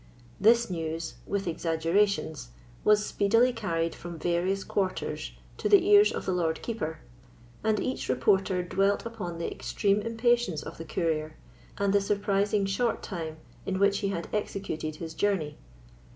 This news, with exaggerations, was speedily carried from various quarters to the ears of the Lord Keeper, and each reporter dwelt upon the extreme impatience of the courier, and the surprising short time in which he had executed his journey.